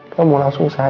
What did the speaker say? kamu langsung sadar gak